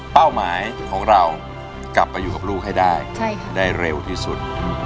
หมายของเรากลับไปอยู่กับลูกให้ได้เร็วที่สุด